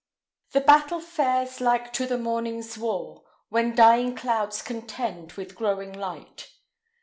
The battle fares like to the morning's war, When dying clouds contend with growing light.